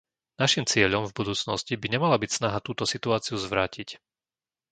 Naším cieľom v budúcnosti by nemala byť snaha túto situáciu zvrátiť.